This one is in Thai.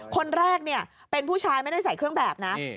คนแรกเนี่ยเป็นผู้ชายไม่ได้ใส่เครื่องแบบนะ